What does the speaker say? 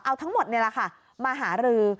เอาทั้งหมดนี่แหละค่ะมาหารือ